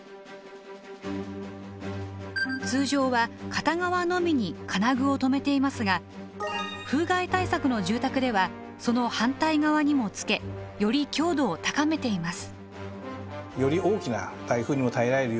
通常は片側のみに金具を留めていますが風害対策の住宅ではその反対側にもつけより強度を高めています。